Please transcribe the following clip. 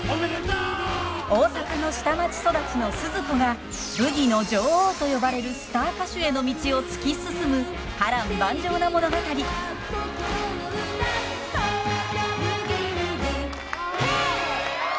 大阪の下町育ちのスズ子がブギの女王と呼ばれるスター歌手への道を突き進む波乱万丈な物語。へいっ！